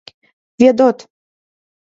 Ведот!